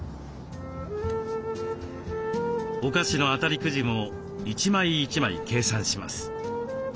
お菓子の当たりくじも一枚一枚計算します。